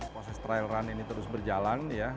proses trial run ini terus berjalan ya